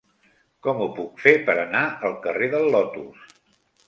Com ho puc fer per anar al carrer del Lotus?